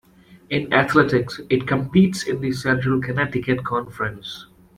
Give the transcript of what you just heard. In athletics, it competes in the Central Connecticut Conference.